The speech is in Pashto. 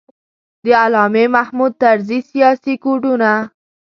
د علامه محمود طرزي سیاسي کوډونه.